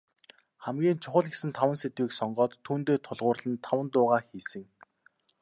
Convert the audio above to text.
Хамгийн чухал гэсэн таван сэдвийг сонгоод, түүндээ тулгуурлан таван дуугаа хийсэн.